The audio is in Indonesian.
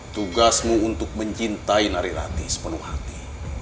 tugasmu untuk mencintai narirati sepenuh hati